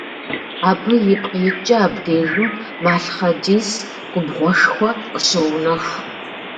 Абы ипкъ иткӏэ абдежым малъхъэдис губгъуэшхуэ къыщоунэху.